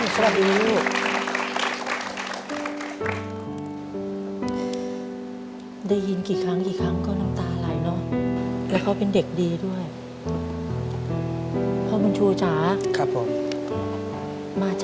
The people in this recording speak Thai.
สวัสดีครับแม่